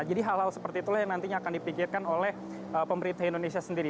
jadi hal hal seperti itulah yang nantinya akan dipikirkan oleh pemerintah indonesia sendiri